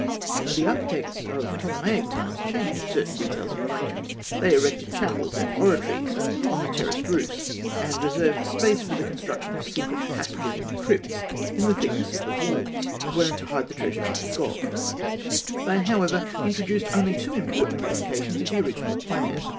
The architects of Ptolemaic times changed certain details of arrangement. They erected chapels and oratories on the terraced roofs, and reserved space for the construction of secret passages and crypts in the thickness of the walls, wherein to hide the treasure of the god (fig. 81). They, however, introduced only two important modifications of the original plan.